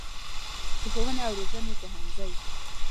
د ښوونې او روزنې پوهنځی